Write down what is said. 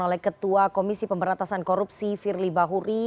oleh ketua komisi pemberantasan korupsi firly bahuri